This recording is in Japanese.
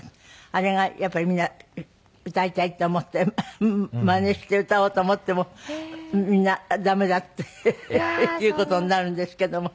あれがやっぱりみんな歌いたいって思ってマネして歌おうと思ってもみんな駄目だっていう事になるんですけども。